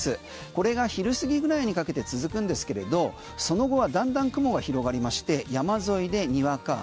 これが昼過ぎぐらいにかけて続くんですけれどその後はだんだん雲が広がりまして山沿いでにわか雨。